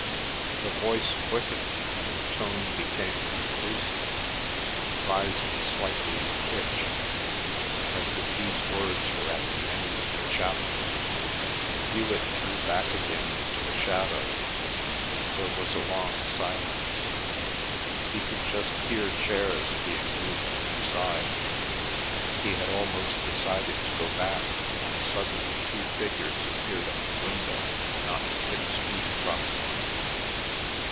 The voice quickened, and the tone became conclusive rising slightly in pitch, as if these words were at the end of the chapter. Hewet drew back again into the shadow. There was a long silence. He could just hear chairs being moved inside. He had almost decided to go back, when suddenly two figures appeared at the window, not six feet from him.